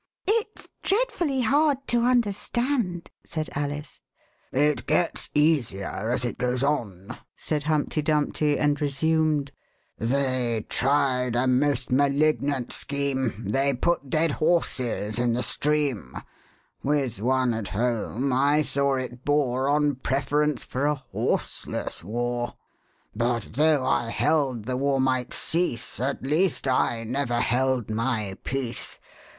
'* Its dreadfully hard to understand," said Alice. It gets easier as it goes on," said Humpty Dumpty, and resumed — They tried a most malignant scheme, They put dead horses in the stream ; (With One at home I saw it bore On preference for a horseless war). 44 Alice Lunches at Westminster But though I held the war might cease, At least I never held my peace.